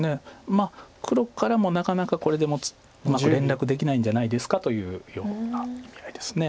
まあ黒からもなかなかこれでもうまく連絡できないんじゃないですかというような意味合いです。